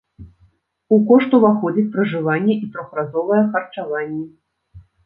У кошт уваходзіць пражыванне і трохразовае харчаванне.